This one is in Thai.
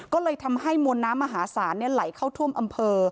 ก็เลยทำให้มวลน้ำมหาศาลไหลเข้าท่วมอำเภอ